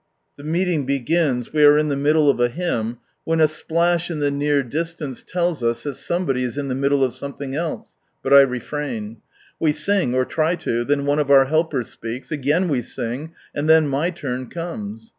The meeting begins, we are in the middle of a hymn when a splash in the near distance, tells us that somebody is in the middle of something else — but I refrain. We sing, or try to, then one of our helpers speaks, again we sing, and then my turn comes.